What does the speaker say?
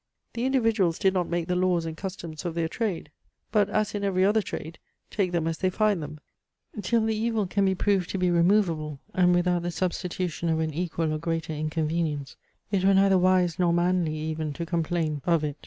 The individuals did not make the laws and customs of their trade, but, as in every other trade, take them as they find them. Till the evil can be proved to be removable, and without the substitution of an equal or greater inconvenience, it were neither wise nor manly even to complain of it.